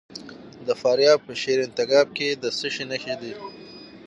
د فاریاب په شیرین تګاب کې د څه شي نښې دي؟